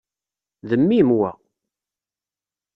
D mmi-m, wa.